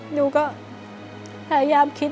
หนูก็พยายามคิด